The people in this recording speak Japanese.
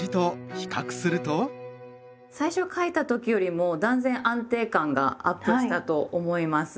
最初書いた時よりも断然安定感がアップしたと思います。